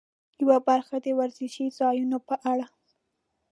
یوه برخه د ورزشي ځایونو په اړه.